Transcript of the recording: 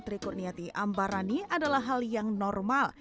terikut niati ambarani adalah hal yang normal